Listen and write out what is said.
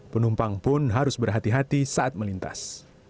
penumpang pun harus berhati hati saat melintas